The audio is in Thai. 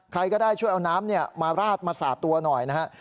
ใครก็ได้ช่วยเอาน้ำมาราดมาสาดตัวหน่อยนะฮะ